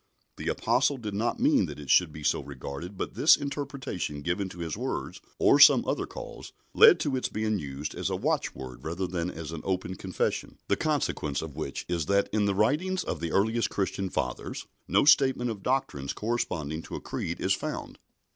The Apostle did not mean that it should be so regarded, but this interpretation given to his words, or some other cause, led to its being used as a watchword rather than as an open confession, the consequence of which is that in the writings of the earliest Christian fathers no statement of doctrines corresponding to a creed is found.